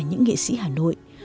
những nghệ sĩ hà nội